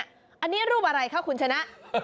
อันนี้รูปอะไรคะคุณชนะ